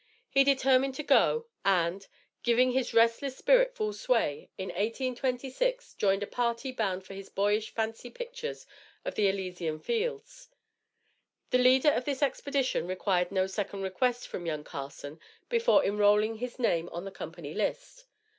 He determined to go; and, giving his restless spirit full sway, in 1826, joined a party bound for his boyish fancy pictures of the Elysian Fields. The leader of this expedition required no second request from young Carson before enrolling his name on the company list.